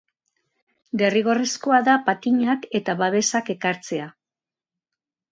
Derrigorrezkoa da patinak eta babesak ekartzea.